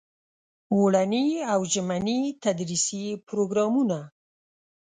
اوړني او ژمني تدریسي پروګرامونه.